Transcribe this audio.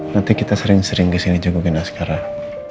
nanti kita sering sering kesini jago gena sekarang